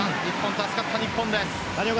助かった日本です。